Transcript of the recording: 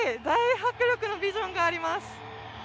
大迫力のビジョンがあります。